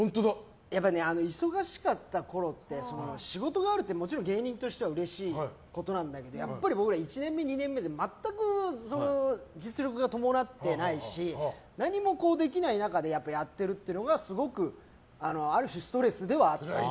やっぱり忙しかったころって仕事があるってもちろん芸人としてはうれしいことなんだけどやっぱり僕ら１年目、２年目で全く実力が伴ってないし何もできない中でやってるというのがすごくある種ストレスではあった。